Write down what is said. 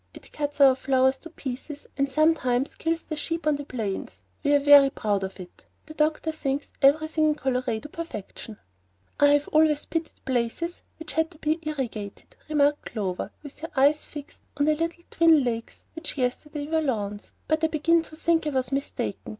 It cuts our flowers to pieces, and sometimes kills the sheep on the plains. We are very proud of it. The doctor thinks everything in Colorado perfection." "I have always pitied places which had to be irrigated," remarked Clover, with her eyes fixed on the little twin lakes which yesterday were lawns. "But I begin to think I was mistaken.